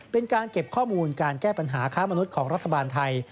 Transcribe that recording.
เป็นการเก็บข้อมูลการแก้ปัญหาค้ามนุษย์ของรัฐบาลไทย